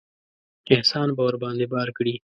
احسان به ورباندې بار کړي.